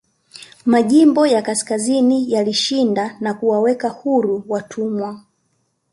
Majimbo ya kaskazini yalishinda na kuwaweka huru watumwa